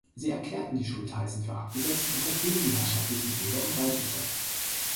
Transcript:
Sie erklärten die Schultheißen für abgesetzt und vertrieben die herrschaftlichen Jäger und Waldhüter.